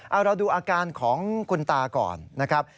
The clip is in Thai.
เอาเราดูอาการของคุณตาก่อนนะครับ